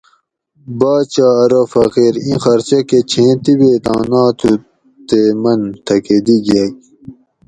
باچہ ارو فقیر اِیں خرچہ کہ چھیں طِبیتاں نا تھو تے من تھکہۤ دی گیگ